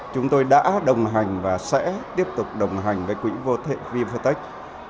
chúng tôi đã đồng hành và sẽ tiếp tục đồng hành với quỹ vô thệ wipo tech